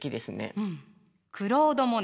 うんクロード・モネ。